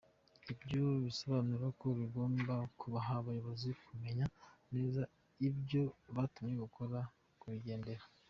Ibyo birasobanura ko bagomba kubaha ababayobora, kumenya neza ibyo batumwe gukora no kubigendera.